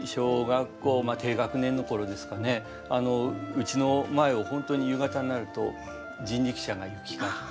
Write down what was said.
うちの前を本当に夕方になると人力車が行き交って。